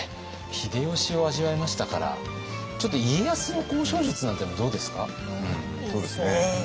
秀吉を味わいましたからちょっと家康の交渉術なんていうのもどうですか？